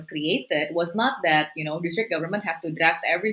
bukan hanya pemerintah distrik harus menggabungkan semua